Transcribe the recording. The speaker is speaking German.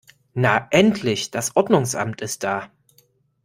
Na endlich, das Ordnungsamt ist da!